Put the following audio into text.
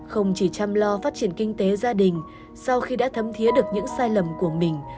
không chỉ chăm lo phát triển kinh tế gia đình sau khi đã thấm thiế được những sai lầm của mình